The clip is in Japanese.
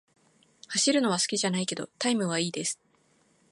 走るのは好きじゃないけど、タイムは良いです。